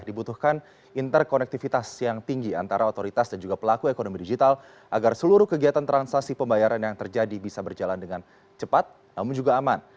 dibutuhkan interkonektivitas yang tinggi antara otoritas dan juga pelaku ekonomi digital agar seluruh kegiatan transaksi pembayaran yang terjadi bisa berjalan dengan cepat namun juga aman